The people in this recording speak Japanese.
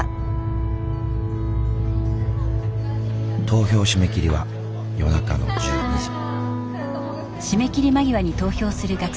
投票締め切りは夜中の１２時。